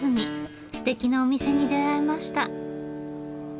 すてきなお店に出会えました。